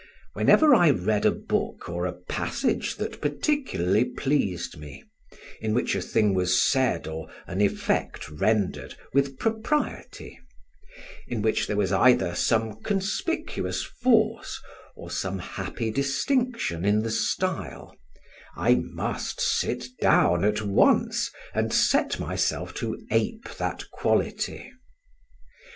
Whenever I read a book or a passage that particularly pleased me, in which a thing was said or an effect rendered with propriety, in which there was either some conspicuous force or some happy distinction in the style, I must sit down at once and set myself to ape that quality.